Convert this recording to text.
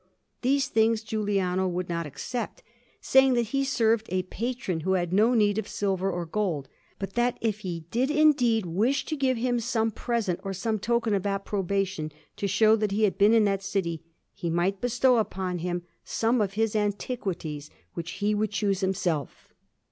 These things Giuliano would not accept, saying that he served a patron who had no need of silver or gold, but that if he did indeed wish to give him some present or some token of approbation, to show that he had been in that city, he might bestow upon him some of his antiquities, which he would choose himself.